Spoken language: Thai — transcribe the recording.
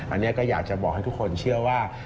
อันนี้ก็อยากจะบอกให้ทุกคนเชื่อว่า